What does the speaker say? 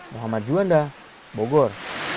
muhammad juanda bogor